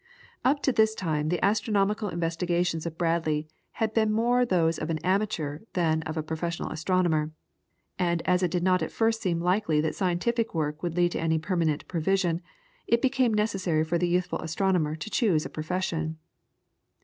Up to this time the astronomical investigations of Bradley had been more those of an amateur than of a professional astronomer, and as it did not at first seem likely that scientific work would lead to any permanent provision, it became necessary for the youthful astronomer to choose a profession.